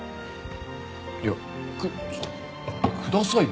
いやくださいよ。